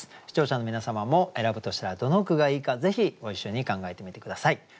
視聴者の皆様も選ぶとしたらどの句がいいかぜひご一緒に考えてみて下さい。